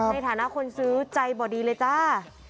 ในฐานะคนซื้อใจบ่ดีเลยจ้า